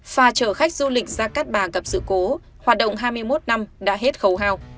phà chở khách du lịch ra cát bà gặp sự cố hoạt động hai mươi một năm đã hết khấu hào